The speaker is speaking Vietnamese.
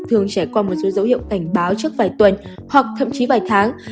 thường trải qua một số dấu hiệu cảnh báo trước vài tuần hoặc thậm chí vài tháng